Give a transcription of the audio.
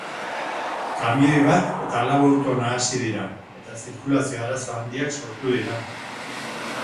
Kamioi bat eta lau auto nahasi dira, eta zirkulazio-arazo handiak sortu dira.